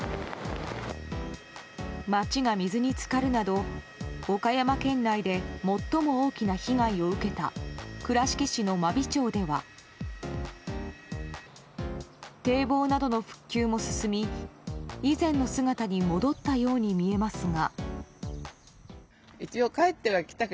街が水に浸かるなど岡山県内で最も大きな被害を受けた倉敷市の真備町では堤防などの復旧も進み以前の姿に戻ったように見えますが。